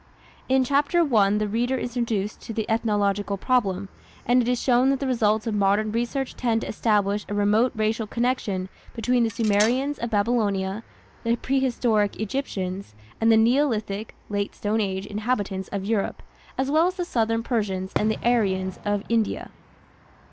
" In Chapter I the reader is introduced to the ethnological problem, and it is shown that the results of modern research tend to establish a remote racial connection between the Sumerians of Babylonia, the prehistoric Egyptians, and the Neolithic (Late Stone Age) inhabitants of Europe, as well as the southern Persians and the "Aryans" of India.